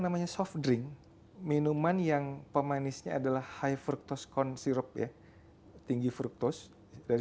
namanya soft drink minuman yang pemanisnya adalah high fructose corn syrup ya tinggi fructose dari